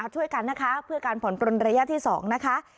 ช่วยกันนะคะเพื่อการผ่อนปลนระยะที่๒นะคะ